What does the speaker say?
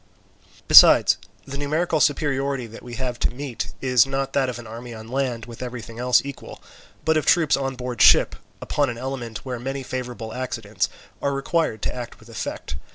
Besides, the numerical superiority that we have to meet is not that of an army on land with everything else equal, but of troops on board ship, upon an element where many favourable accidents are required to act with effect.